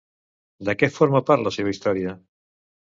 De què forma part la seva història?